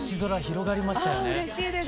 あうれしいですね。